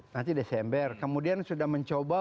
nanti desember kemudian sudah mencoba